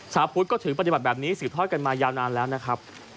พุทธก็ถือปฏิบัติแบบนี้สืบทอดกันมายาวนานแล้วนะครับ